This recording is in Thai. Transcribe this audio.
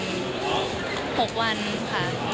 ไปประมาณ๖วันค่ะ